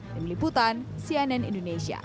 demi liputan cnn indonesia